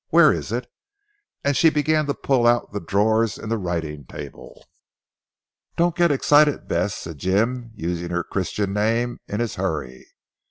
Where is it? and she began to pull out the drawers in the writing table. "Don't get excited Bess," said Jim using her Christian name in his hurry.